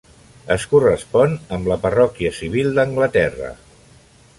Es correspon amb la parròquia civil d'Anglaterra.